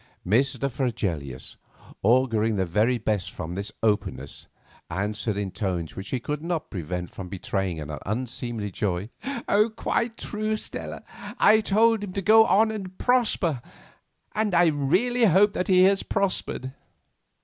Mr. Fregelius, auguring the very best from this openness, answered in tones which he could not prevent from betraying an unseemly joy. "Quite true, Stella; I told him to go on and prosper; and really I hope he has prospered."